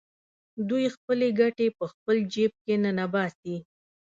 دوی خپلې ګټې په خپل جېب کې ننباسي